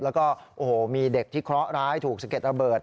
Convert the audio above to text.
แล้วก็โอ้โหมีเด็กที่เคราะหร้ายถูกสะเด็ดระเบิด